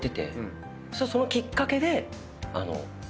そのきっかけで。